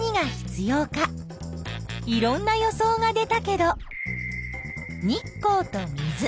いろんな予想が出たけど日光と水